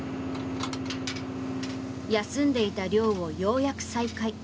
休んでいた漁をようやく再開。